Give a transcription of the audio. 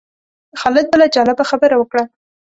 خالد بله جالبه خبره وکړه.